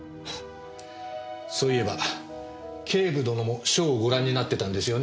そういえば警部殿もショーをご覧になってたんですよね？